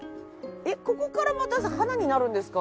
えっここからまた花になるんですか？